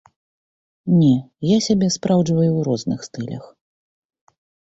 Не, я сябе спраўджваю ў розных стылях.